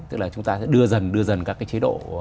tức là chúng ta sẽ đưa dần các chế độ